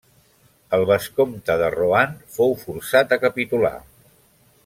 El vescomte de Rohan fou forçat a capitular.